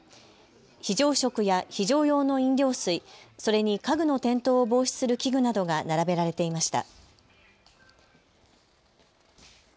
非常食や非常用の飲料水、それに家具の転倒を防止する器具などが並べられていました。